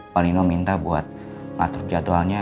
pak nino minta buat ngatur jadwalnya